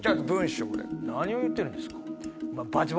何を言ってるんですか。